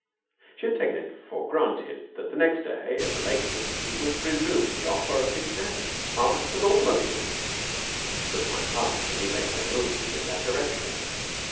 She had taken it for granted that next day at the latest he would resume the offer of his hand, heart, and automobiles. But time passed and he made no move in that direction.